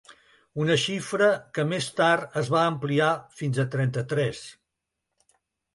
Una xifra que més tard es va ampliar fins a trenta-tres.